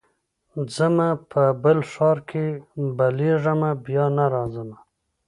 ځمه په بل ښار کي بلېږمه بیا نه راځمه